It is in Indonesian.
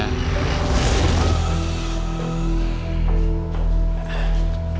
kita harus mencari data